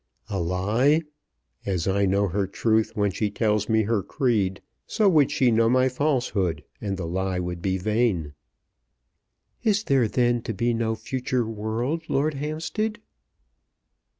"A lie? As I know her truth when she tells me her creed, so would she know my falsehood, and the lie would be vain." "Is there then to be no future world, Lord Hampstead?"